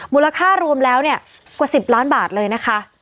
มูลค่ารวมแล้วเนี่ยกว่า๑๐ล้านบาทเลยนะคะ